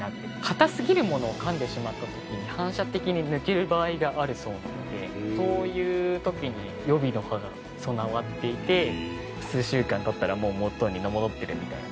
硬すぎるものをかんでしまった時に反射的に抜ける場合があるそうなのでそういう時に予備の歯が備わっていて数週間経ったらもう元に戻ってるみたいな。